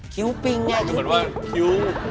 คิ้วปิ้งใช่ไหม